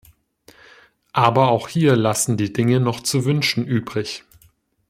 Aber auch hier lassen die Dinge noch zu wünschen übrig!